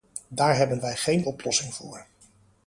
Daar hebben wij geen oplossing voor.